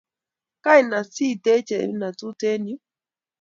Kaine siteche inatut eng yuu?